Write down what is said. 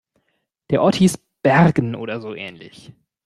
Der Ort hieß Bergen oder so ähnlich.